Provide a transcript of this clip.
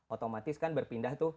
otomatis kan berpindah tuh